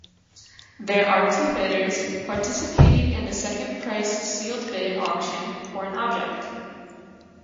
There are two bidders participating in a second-price sealed-bid auction for an object.